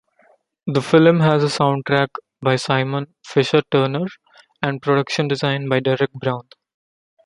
The film has a soundtrack by Simon Fisher-Turner and production design by Derek Brown.